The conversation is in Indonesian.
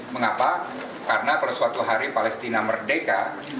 mengapa karena kalau suatu hari palestina merdeka